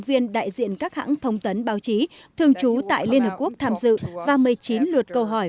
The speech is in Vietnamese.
viên đại diện các hãng thông tấn báo chí thường trú tại liên hợp quốc tham dự và một mươi chín lượt câu hỏi